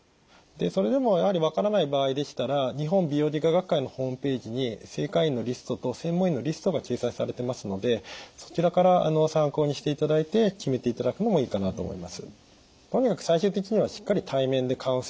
でそれでもやはり分からない場合でしたら日本美容外科学会のホームページに正会員のリストと専門医のリストが掲載されてますのでそちらから参考にしていただいて決めていただくのもいいかなと思います。